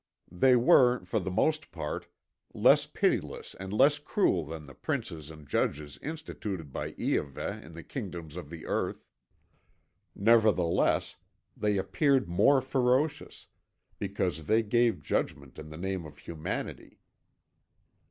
They were, for the most part, less pitiless and less cruel than the princes and judges instituted by Iahveh in the kingdoms of the earth; nevertheless, they appeared more ferocious, because they gave judgment in the name of Humanity.